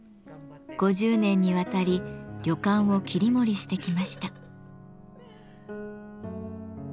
５０年にわたり旅館を切り盛りしてきました。